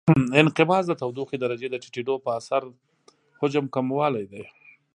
انقباض د تودوخې درجې د ټیټېدو په اثر د حجم کموالی دی.